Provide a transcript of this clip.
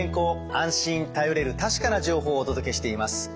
安心頼れる確かな情報をお届けしています。